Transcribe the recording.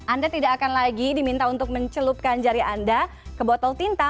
anda tidak akan lagi diminta untuk mencelupkan jari anda ke botol tinta